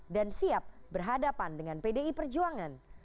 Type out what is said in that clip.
dan siap berhadapan dengan pdi perjuangan